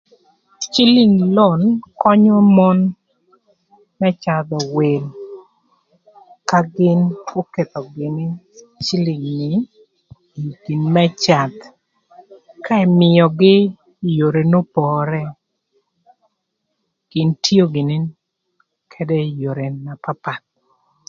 Cïlïng lon könyö mon më cadhö wïl ka gïn oketho gïnï cïlïng ni ï tic më cath, ka ëmïögï ï yoo n'opore. Gïn tio gïnï ködë ï yore na papath